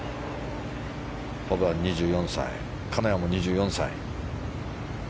ホブラン、２４歳金谷も２４歳。